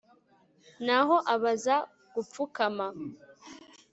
naho abaza gupfukama